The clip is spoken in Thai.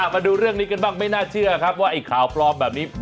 มาดูเรื่องนี้กันบ้างไม่น่าเชื่อครับว่าไอ้ข่าวปลอมแบบนี้